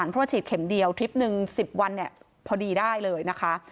เพราะว่าฉีดเข็มเดียวทริปหนึ่ง๑๐วันเนี่ยพอดีได้เลยนะคะ